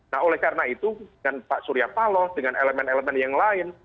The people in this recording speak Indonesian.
nah oleh karena itu dengan pak surya paloh dengan elemen elemen yang lain